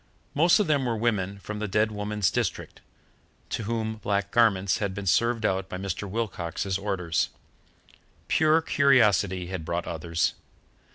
Most of them were women from the dead woman's district, to whom black garments had been served out by Mr. Wilcox's orders. Pure curiosity had brought others.